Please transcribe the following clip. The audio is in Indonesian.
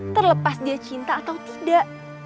terlepas dia cinta atau tidak